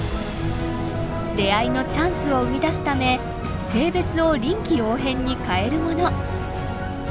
出会いのチャンスを生み出すため性別を臨機応変に変えるもの。